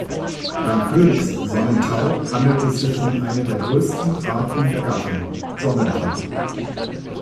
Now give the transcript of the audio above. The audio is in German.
Beim Königs-Sonnentau handelt es sich um eine der größten Arten der Gattung Sonnentau.